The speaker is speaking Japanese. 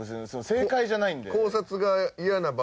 正解じゃないんで。